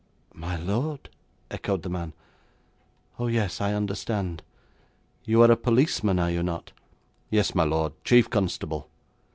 'My lord?' echoed the man. 'Oh, yes, I understand. You are a policeman, are you not?' 'Yes, my lord, chief constable.'